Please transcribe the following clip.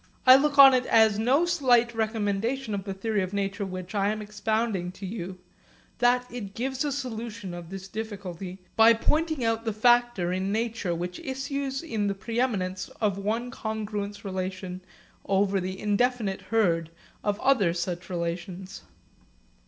I look on it as no slight recommendation of the theory of nature which I am expounding to you that it gives a solution of this difficulty by pointing out the factor in nature which issues in the preeminence of one congruence relation over the indefinite herd of other such relations.